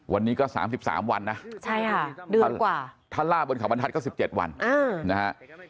วันนี้ก็สามสิบสามวันนะใช่ค่ะเดือนกว่าท่านล่าบนเขาบรรทัศน์ก็สิบเจ็ดวันอ่านะฮะ